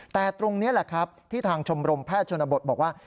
แต่ตรงนี้แหละครับที่ทางชมรมแพทย์ชนบทบอกว่า